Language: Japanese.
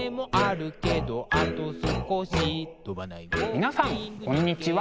皆さんこんにちは。